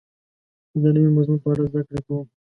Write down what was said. زه د نوي مضمون په اړه زده کړه کوم.